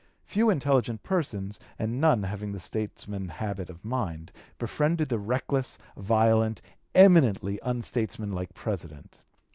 Few intelligent persons, and none having the statesman habit of mind, befriended the reckless, violent, eminently unstatesmanlike President.